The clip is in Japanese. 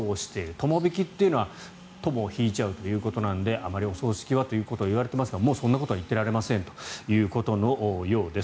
友引というのは友を引いちゃうというのであまりお葬式はということが言われていますがもうそんなことは言ってられませんということのようです。